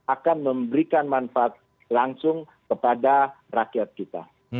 akan memberikan manfaat langsung kepada rakyat kita